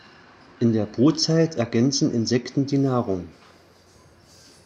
In der Brutzeit ergänzen Insekten die Nahrung.